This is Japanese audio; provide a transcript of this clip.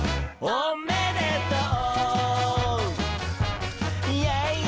「おめでとう！」